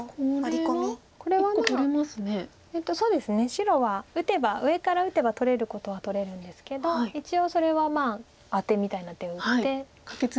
白は上から打てば取れることは取れるんですけど一応それはアテみたいな手を打って。